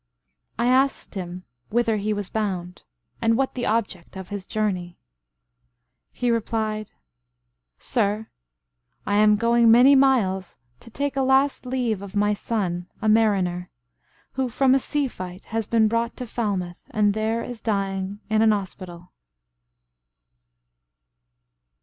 —I asked him whither he was bound, and what The object of his journey; he replied "Sir! I am going many miles to take A last leave of my son, a mariner, Who from a sea fight has been brought to Falmouth, And there is dying in an hospital."